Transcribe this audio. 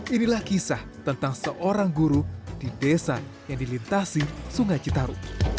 inilah kisah tentang seorang guru di desa yang dilintasi sungai citarum